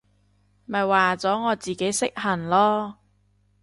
咪話咗我自己識行囉！